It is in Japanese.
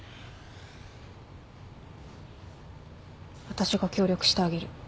私が協力してあげる。